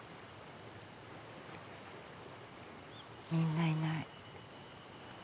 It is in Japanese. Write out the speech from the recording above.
みんないない。